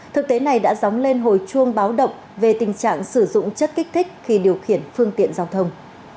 thực tế này đã dóng lên hồi chuông báo động về tình trạng sử dụng chất kích thích khi điều khiển phương tiện giao thông